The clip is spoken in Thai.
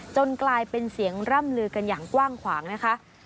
กลายเป็นเสียงร่ำลือกันอย่างกว้างขวางนะคะ